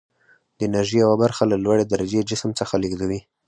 د انرژي یوه برخه له لوړې درجې جسم څخه لیږدوي.